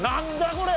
これ。